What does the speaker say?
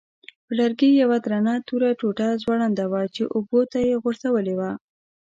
پر لرګي یوه درنه توره ټوټه ځوړنده وه چې اوبو ته یې غورځولې وه.